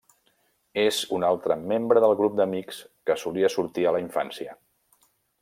És una altra membre del grup d'amics que solia sortir a la infància.